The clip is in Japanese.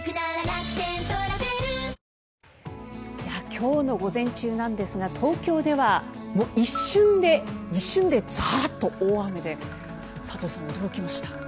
今日の午前中なんですが東京では一瞬でザーッと大雨で佐藤さん、驚きました。